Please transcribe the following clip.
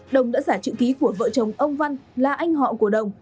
đồng đã giả chữ ký của vợ chồng ông văn là anh họ của đồng